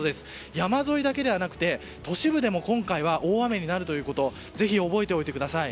山沿いだけではなくて都市部でも、今回は大雨になるということをぜひ覚えておいてください。